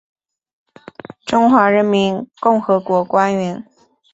中华人民共和国官员。